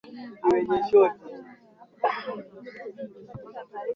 dalili za ugonjwa kwa wanyama waliokufa au mizoga udhibiti na uzuiaji au kinga